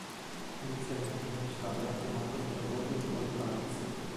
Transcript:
Inizialmente lo scalo era chiamato Aeroporto di Port Reitz.